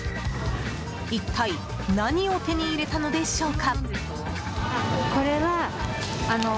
一体何を手に入れたのでしょうか。